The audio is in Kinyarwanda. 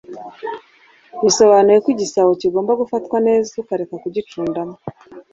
Bisobanuye ko igisabo kigomba gufatwa neza Ukareka kugicundamo